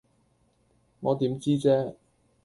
我點知啫